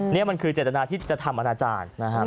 นี่มันคือเจตนาที่จะทำอาจารย์